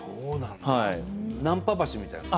ナンパ橋みたいなとこ。